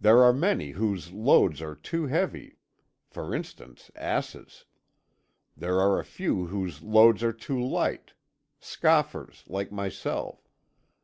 There are many whose loads are too heavy for instance, asses. There are a few whose loads are too light scoffers, like myself.